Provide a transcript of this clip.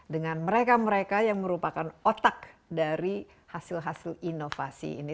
dengan mereka mereka yang merupakan otak dari hasil hasil inovasi ini